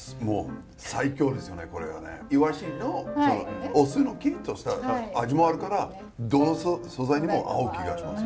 いわしのお酢のキリッとした味もあるからどの素材にも合う気がします。